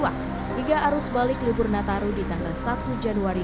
hingga arus balik libur nataru di tanggal satu januari